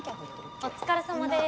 あっお疲れさまです